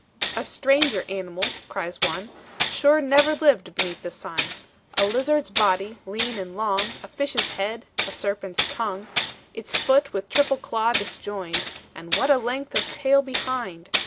"A stranger animal," cries one, "Sure never lived beneath the sun. A lizard's body, lean and long, A fish's head, a serpent's tongue, Its foot with triple claw disjoined; And what a length of tail behind!